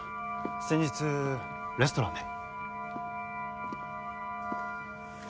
先日レストランで。